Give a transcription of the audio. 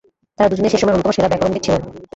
তারা দুজনেই সে সময়ের অন্যতম সেরা ব্যাকরণবিদ ছিলেন।